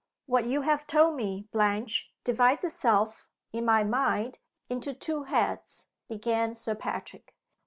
"What you have told me, Blanche, divides itself, in my mind, into two heads," began Sir Patrick.